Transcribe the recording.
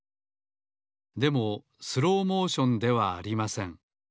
でもスローモーションではありません。